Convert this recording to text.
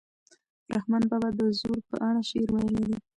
رحمان بابا د زور په اړه شعر ویلی دی.